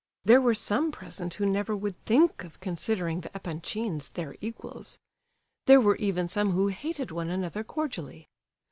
There were some present who never would think of considering the Epanchins their equals. There were even some who hated one another cordially.